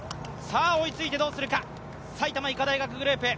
追いついてどうするか、埼玉医科大学グループ。